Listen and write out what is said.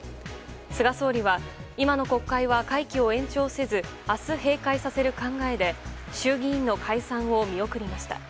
菅総理は今の国会は会期を延長せず明日、閉会させる考えで衆議院の解散を見送りました。